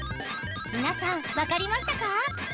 皆さん分かりましたか？